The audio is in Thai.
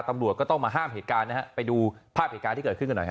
ตำรวจก็ต้องมาห้ามเหตุการณ์นะฮะไปดูภาพเหตุการณ์ที่เกิดขึ้นกันหน่อยฮ